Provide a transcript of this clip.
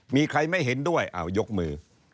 มีใครไม่เห็นด้วยอ้าวยกมือ